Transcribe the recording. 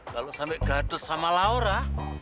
kalau sampe gadot sama laura